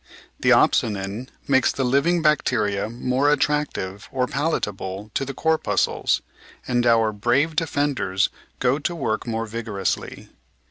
The opsonin makes the living bacteria more attractive or palatable to the corpuscles, and our "brave defenders" go to work more vigorously.